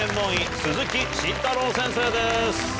鈴木慎太郎先生です。